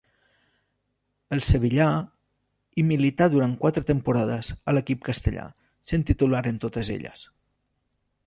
El sevillà hi milita durant quatre temporades a l'equip castellà, sent titular en totes elles.